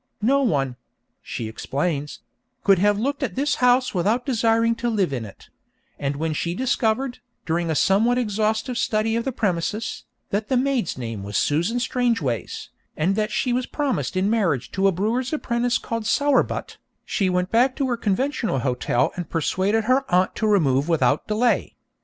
No one (she explains) could have looked at this house without desiring to live in it; and when she discovered, during a somewhat exhaustive study of the premises, that the maid's name was Susan Strangeways, and that she was promised in marriage to a brewer's apprentice called Sowerbutt, she went back to her conventional hotel and persuaded her aunt to remove without delay.